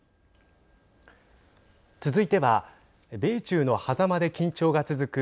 続いては米中のはざまで緊張が続く